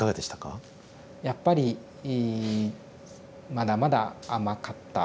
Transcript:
やっぱりまだまだ甘かった。